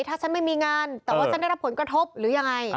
ถ้าฉันไม่มีงานแต่ว่าฉันได้รับผลกระทบหรือยังไง